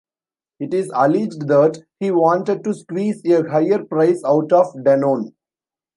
It is alleged that he wanted to squeeze a higher price out of Danone.